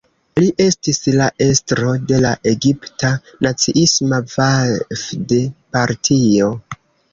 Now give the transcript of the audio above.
Li estis la estro de la egipta naciisma Vafd-Partio.